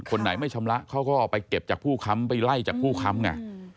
คนไหนไม่ชำระเขาก็ไปเก็บจากผู้ค้ำไปไล่จากผู้ค้ำไง